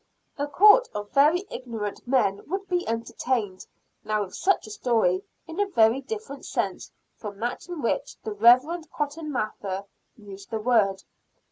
A court of very ignorant men would be "entertained" now with such a story, in a very different sense from that in which the Rev. Cotton Mather used the word.